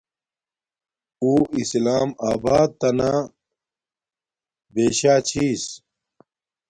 اُو اسلام آبات تنا بیشا چھس